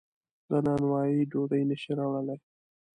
له نانوایۍ ډوډۍ نشي راوړلی.